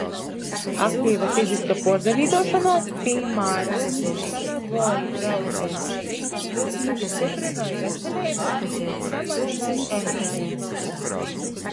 Aktiva fiziska puorsavītuošona, pīmāram, īšona voi braukšona ar ritini styprynoj veseleibu i samazynoj emisejis.